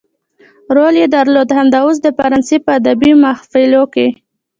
رول يې درلود همدا اوس د فرانسې په ادبي محافلو کې.